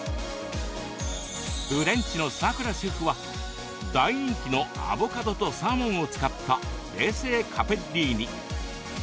フレンチのさくらシェフは大人気のアボカドとサーモンを使った冷製カペッリーニ。